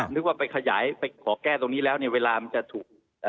นึกว่าไปขยายไปขอแก้ตรงนี้แล้วเนี่ยเวลามันจะถูก